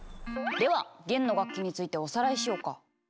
では弦の楽器についておさらいしようか。